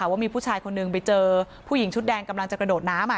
ว่ามีผู้ชายคนหนึ่งไปเจอผู้หญิงชุดแดงกำลังจะกระโดดน้ำ